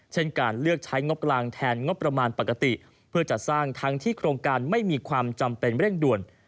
เช่นการเลือกใช้งบกลางแทนงบประมาณปกติเพื่อจัดสร้างทั้งที่โครงการไม่มีความจำเป็นเร่งด่วน